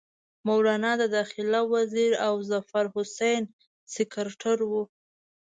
مولنا د داخله وزیر او ظفرحسن سکرټر وو.